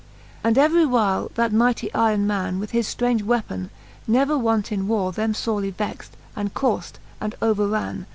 XLIV. And every while that mightie yron man, With his ftrange weapon, never wont in warre, Them forely vext, and courft, and overran.